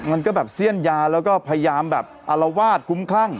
มันก็แบบเสี้ยนยาแล้วก็พยายามแบบอารวาสคุ้มคลั่ง